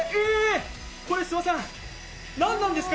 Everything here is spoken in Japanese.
これ、諏訪さん、何なんですか？